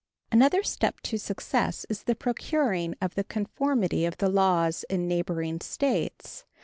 Another step to success is the procuring of the conformity of the laws in neighboring States.